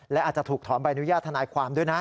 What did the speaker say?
และอาจจะถูกถอนใบอนุญาตทนายความด้วยนะ